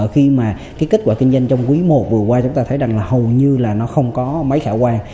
khi mà cái kết quả kinh doanh trong quý i vừa qua chúng ta thấy rằng là hầu như là nó không có mấy khả quan